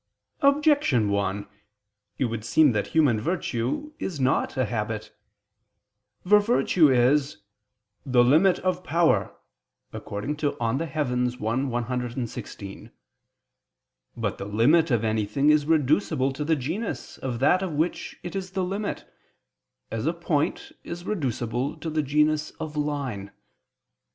Objection 1: It would seem that human virtue is not a habit: For virtue is "the limit of power" (De Coelo i, text. 116). But the limit of anything is reducible to the genus of that of which it is the limit; as a point is reducible to the genus of line.